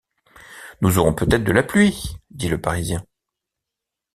Nous aurons peut-être de la pluie, dit le parisien.